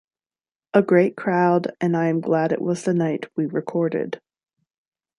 A great crowd and I am glad it was the night we recorded.